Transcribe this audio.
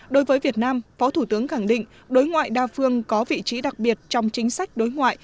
đối với việt nam phó thủ tướng khẳng định đối ngoại đa phương có vị trí đặc biệt trong chính sách đối ngoại